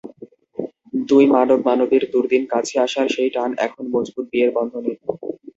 দুই মানব-মানবীর দুর্দিন কাছে আসার সেই টান এখন মজবুত বিয়ের বন্ধনে।